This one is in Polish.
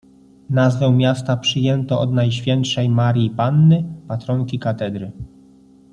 Nazwę miasta przyjęto od Najświętszej Marii Panny, patronki katedry.